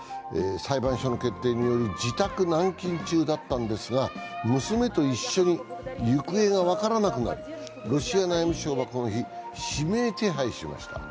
裁判所の決定により、自宅軟禁中だったんですが娘と一緒に行方が分からなくなりロシア内務省はこの日、指名手配しました。